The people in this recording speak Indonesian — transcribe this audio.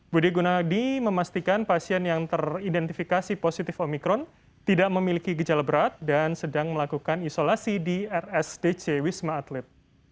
budi gunadi memastikan pasien yang teridentifikasi positif omikron tidak memiliki gejala berat dan sedang melakukan isolasi di rsdc wisma atlet